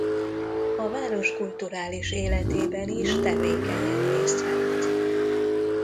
A város kulturális életében is tevékenyen részt vett.